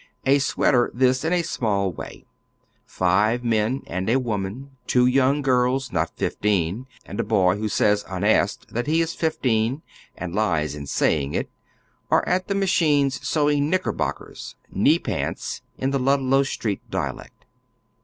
A sweater, tliis, in a small way. Five men and a woman, two yonng girls, not fifteen, and a boy who says unasked tiiat he is fifteen, and lies in say ing it, are at the machines sewing knickerbockers, "knee pants " in the Ludlow Street dialect.